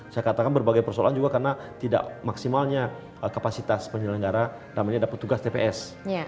saya katakan berbagai persoalan juga karena tidak maksimalnya kapasitas penyelenggara namanya ada petugas tps